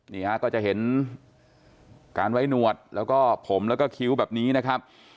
นี่ฮะก็จะเห็นการไว้หนวดแล้วก็ผมแล้วก็คิ้วแบบนี้นะครับ